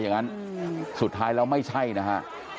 อย่างนั้นสุดท้ายแล้วไม่ใช่นะฮะ